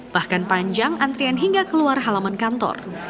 bahkan panjang antrian hingga keluar halaman kantor